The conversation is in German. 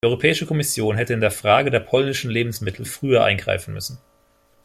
Die Europäische Kommission hätte in der Frage der polnischen Lebensmittel früher eingreifen müssen.